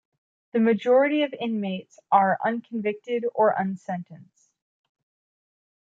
The majority of inmates are unconvicted or unsentenced.